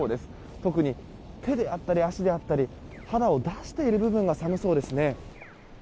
特に手であったり足であったり肌を出している部分が寒そうですね。